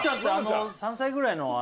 ３歳くらいの。